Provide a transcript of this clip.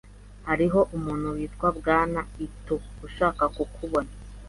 Hariho umuntu witwa Bwana Ito ushaka kukubona.